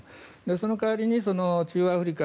その代わりに中央アフリカ